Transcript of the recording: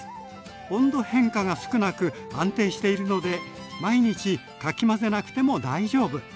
温度変化が少なく安定しているので毎日かき混ぜなくても大丈夫。